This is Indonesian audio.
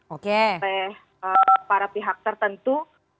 oleh para pihak tertentu